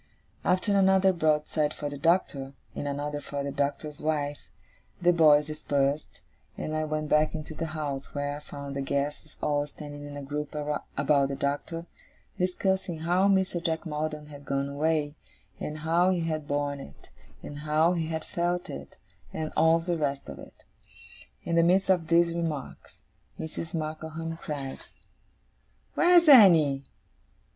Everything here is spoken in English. After another broadside for the Doctor, and another for the Doctor's wife, the boys dispersed, and I went back into the house, where I found the guests all standing in a group about the Doctor, discussing how Mr. Jack Maldon had gone away, and how he had borne it, and how he had felt it, and all the rest of it. In the midst of these remarks, Mrs. Markleham cried: 'Where's Annie?